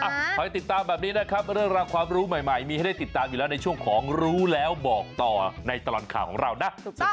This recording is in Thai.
คอยติดตามแบบนี้นะครับเรื่องราวความรู้ใหม่มีให้ได้ติดตามอยู่แล้วในช่วงของรู้แล้วบอกต่อในตลอดข่าวของเรานะ